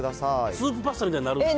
スープパスタみたいになるのね。